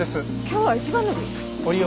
今日は一番乗り？